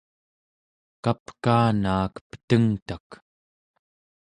kapkaanaak petengtak